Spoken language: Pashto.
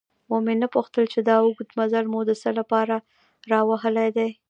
ومې نه پوښتل چې دا اوږد مزل مو د څه له پاره راوهلی دی؟